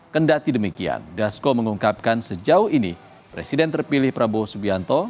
kendati demikian dasko mengungkapkan sejauh ini presiden terpilih prabowo subianto